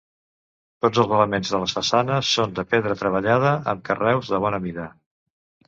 Tots els elements de les façanes són de pedra treballada amb carreus de bona mida.